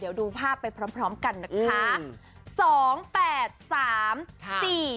เดี๋ยวดูภาพไปพร้อมกันนะคะ